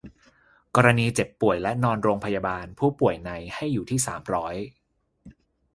กรณีเจ็บป่วยและนอนโรงพยาบาล ผู้ป่วยใน ให้อยู่ที่ สามร้อย